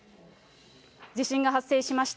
地震が発生しました。